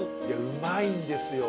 うまいんですよ。